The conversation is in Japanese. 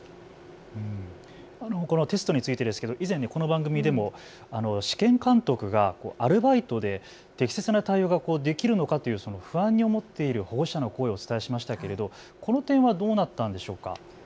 このテストについてですけど以前、この番組でも試験監督がアルバイトで適切な対応ができるのかと不安に思っている保護者の声をお伝えしましたけれど、この点はどうなったんでしょうか。